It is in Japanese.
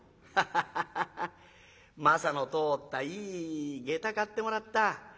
「ハハハハハ征の通ったいい下駄買ってもらった。